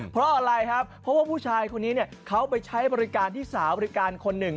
เพราะอะไรครับเพราะว่าผู้ชายคนนี้เขาไปใช้บริการที่สาวบริการคนหนึ่ง